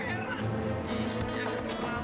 iya dia akan terpal